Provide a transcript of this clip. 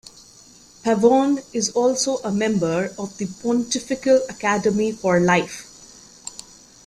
Pavone is also a member of the Pontifical Academy for Life.